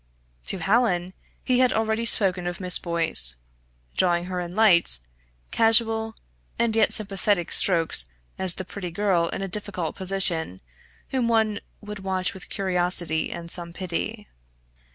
To Hallin he had already spoken of Miss Boyce, drawing her in light, casual, and yet sympathetic strokes as the pretty girl in a difficult position whom one would watch with curiosity and some pity.